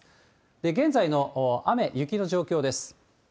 現在の雨、雪の状況です。